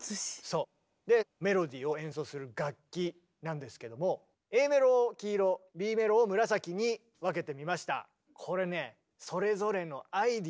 でメロディーを演奏する楽器なんですけどもＡメロを黄色Ｂメロを紫に分けてみました。